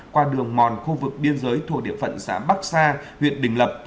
qua đường mòn khu vực biên giới thuộc địa phận xã bắc sa huyện đình lập